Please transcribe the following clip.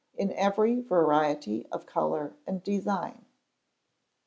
in every variety of colour and design.